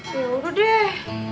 ya udah deh